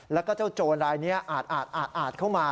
แล้วก็เจ้าโจรรายนี้อาดเข้ามา